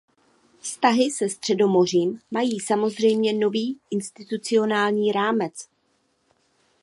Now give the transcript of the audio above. Vztahy se Středomořím mají samozřejmě nový institucionální rámec.